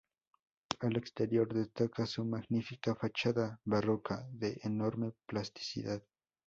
Al exterior destaca su magnífica fachada barroca de enorme plasticidad.